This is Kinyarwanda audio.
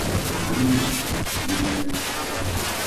Kandi nakwibwira nte?